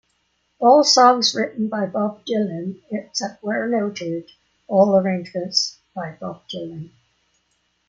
All songs written by Bob Dylan, except where noted; all arrangements by Bob Dylan.